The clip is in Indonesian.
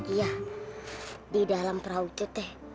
iya di dalam perahu itu teh